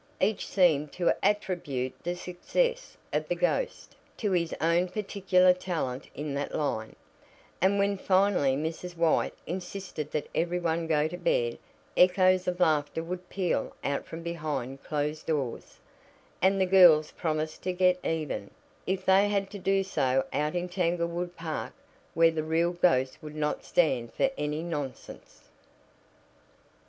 Each seemed to attribute the success of the "ghost" to his own particular talent in that line, and when finally Mrs. White insisted that every one go to bed, echoes of laughter would peal out from behind closed doors, and the girls promised to get even, if they had to do so out in Tanglewood Park, "where the real ghost would not stand for any nonsense."